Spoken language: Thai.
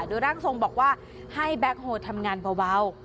โดยร่างทรงบอกว่าให้แบ็คโฮลทำงานเบา